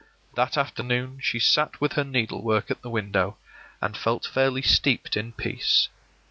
That afternoon she sat with her needle work at the window, and felt fairly steeped in peace.